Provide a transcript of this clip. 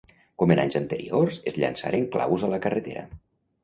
Com en anys anteriors, es llançaren claus a la carretera.